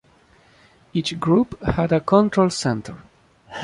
Each group had a control centre.